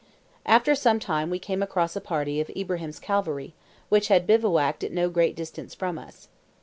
After some time we came across a party of Ibrahim's cavalry, which had bivouacked at no great distance from us.